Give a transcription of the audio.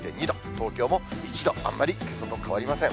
東京も１度、あんまりけさと変わりません。